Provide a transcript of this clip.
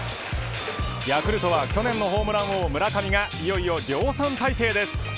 ヤクルトは去年のホームラン王、村上がいよいよ量産体制です。